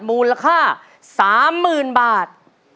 มูลค่า๓๐๐๐บาท